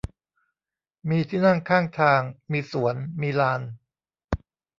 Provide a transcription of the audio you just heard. มีที่นั่งข้างทาง มีสวน มีลาน